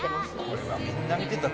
これは、みんな見てた。